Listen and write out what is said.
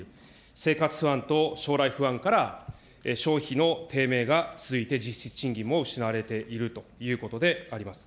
生活不安と将来不安から消費の低迷が続いて、実質賃金も失われているということであります。